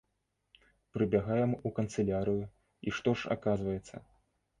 Прыбягаем у канцылярыю, і што ж аказваецца?